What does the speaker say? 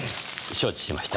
承知しました。